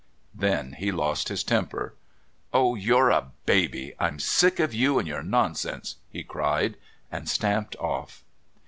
Then he lost his temper. "Oh, you're a baby! I'm sick of you and your nonsense," he cried, and stamped off.